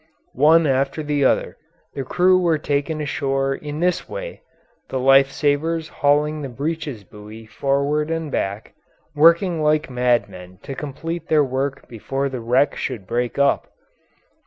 One after the other the crew were taken ashore in this way, the life savers hauling the breeches buoy forward and back, working like madmen to complete their work before the wreck should break up.